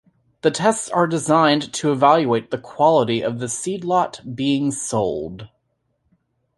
The tests are designed to evaluate the quality of the seed lot being sold.